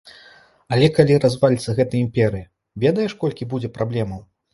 Але калі разваліцца гэтая імперыя, ведаеш, колькі будзе праблемаў?